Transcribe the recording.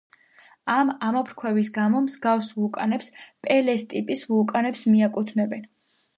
ამ ამოფრქვევის გამო მსგავს ვულკანებს პელეს ტიპის ვულკანებს მიაკუთვნებენ.